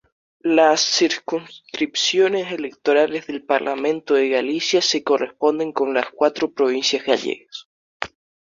Las circunscripciones electorales del Parlamento de Galicia se corresponden con las cuatro provincias gallegas.